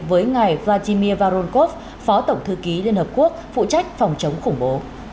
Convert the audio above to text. với ngài vladimir varonkov phó tổng thư ký liên hợp quốc phụ trách phòng chống khủng bố